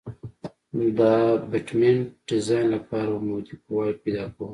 د ابټمنټ ډیزاین لپاره عمودي قواوې پیدا کوو